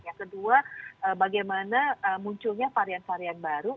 yang kedua bagaimana munculnya varian varian baru